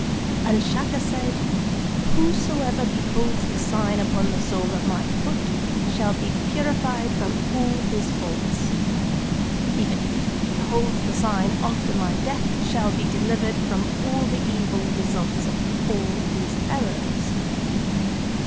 And Shaka said: 'Whosoever beholds the sign upon the sole of my foot shall be purified from all his faults. Even he who beholds the sign after my death shall be delivered from all the evil results of all his errors."